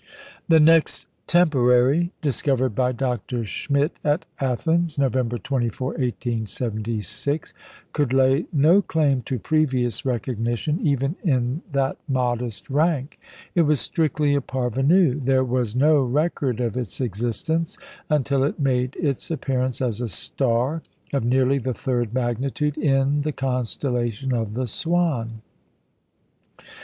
The next "temporary," discovered by Dr. Schmidt at Athens, November 24, 1876, could lay no claim to previous recognition even in that modest rank. It was strictly a parvenu. There was no record of its existence until it made its appearance as a star of nearly the third magnitude, in the constellation of the Swan.